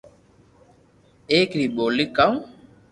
ايڪ ري ٻولي ڪاو